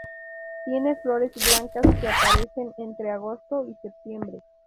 Tiene flores blancas que aparecen entre agosto y septiembre.